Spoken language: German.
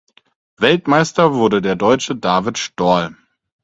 Weltmeister wurde der Deutsche David Storl.